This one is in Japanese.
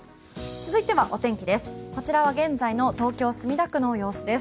続いてはお天気です。